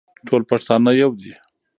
ټول پښتانه يو دي.